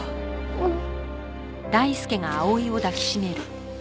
うん。